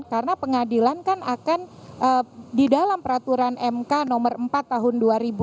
karena pengadilan kan akan di dalam peraturan mk nomor empat tahun dua ribu dua puluh tiga